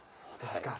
そうですか。